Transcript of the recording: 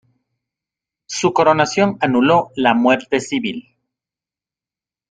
Su coronación anuló la muerte civil.